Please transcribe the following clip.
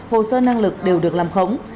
hồ sơ năng lực đều được làm khống